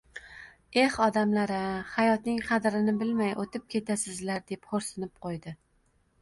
Eh, odamlar-a, hayotning qadrini bilmay oʻtib ketasizlar, deb xoʻrsinib qoʻydi